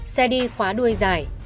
xe đi khóa đuôi dài